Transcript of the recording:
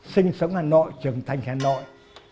sinh sống hà nội trưởng thành hà nội